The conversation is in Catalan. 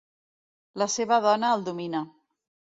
La seva dona el domina.